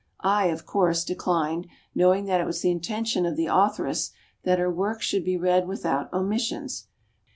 I, of course, declined, knowing that it was the intention of the authoress that her work should be read without omissions.